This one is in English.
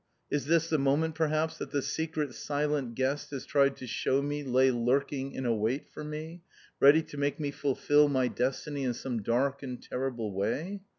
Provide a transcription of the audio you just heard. Is this the moment perhaps that the secret, silent guest has tried to shew me lay lurking in await for me, ready to make me fulfil my destiny in some dark and terrible way?